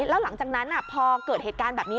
แล้วหลังจากนั้นพอเกิดเหตุการณ์แบบนี้